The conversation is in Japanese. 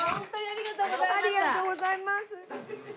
ありがとうございます。